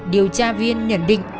điều tra viên nhận định